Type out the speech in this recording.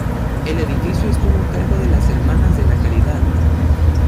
El edificio estuvo a cargo de las Hermanas de la Caridad.